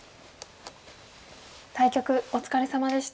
対局お疲れさまでした。